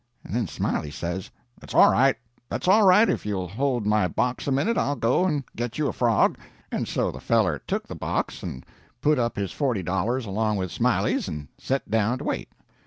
"And then Smiley says, 'That's all right that's all right if you'll hold my box a minute, I'll go and get you a frog.' And so the feller took the box, and put up his forty dollars along with Smiley's, and set down to wait.